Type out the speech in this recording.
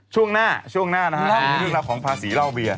ช่วงหน้าช่วงหน้านะครับในวิทยุครัพย์ของภาษีเหล้าเบียร์